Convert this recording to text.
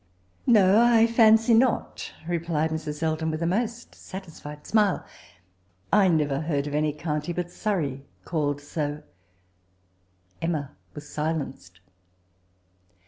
*"* No^ I fency not,* replied Mrs. Elton, with a most satisfled smile. ' I never heard any county but Surrey called ao^' " Bmma was silenced.